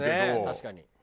確かに。